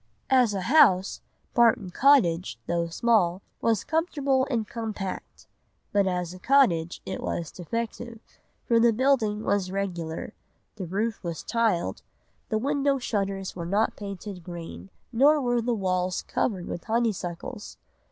"As a house, Barton Cottage, though small, was comfortable and compact; but as a cottage it was defective, for the building was regular, the roof was tiled, the window shutters were not painted green, nor were the walls covered with honeysuckles.